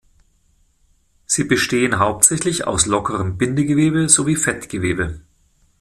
Sie bestehen hauptsächlich aus lockerem Bindegewebe sowie Fettgewebe.